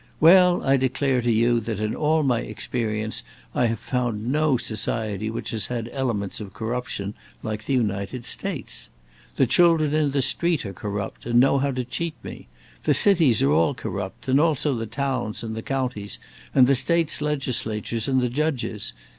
Well, I declare to you that in all my experience I have found no society which has had elements of corruption like the United States. The children in the street are corrupt, and know how to cheat me. The cities are all corrupt, and also the towns and the counties and the States' legislatures and the judges.